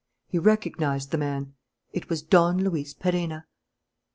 He recognized the man: it was Don Luis Perenna.